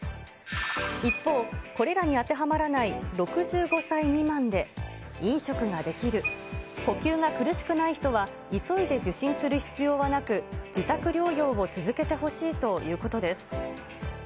一方、これらに当てはまらない６５歳未満で、飲食ができる、呼吸が苦しくない人は、急いで受診する必要はなく、自宅療養を続けてほしいということです。